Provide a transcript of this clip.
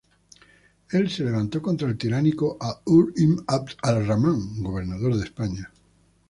Él se levantó contra el tiránico Al-Ḥurr ibn 'Abd al-Raḥman, gobernador de España.